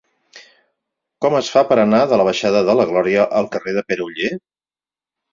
Com es fa per anar de la baixada de la Glòria al carrer de Pere Oller?